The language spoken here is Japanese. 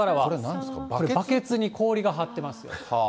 バケツに氷が張ってますよ。